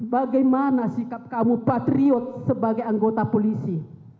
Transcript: bagaimana sikap kamu patriot sebagai anggota polisi